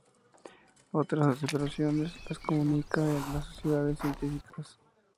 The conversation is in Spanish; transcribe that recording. Otras observaciones las comunica en sociedades científicas.